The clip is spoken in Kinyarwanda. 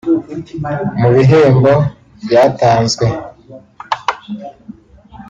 Mu bihembo byatanzwe